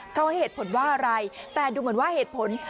เขาให้เหตุผลว่าอะไรแต่ดูเหมือนว่าเหตุผล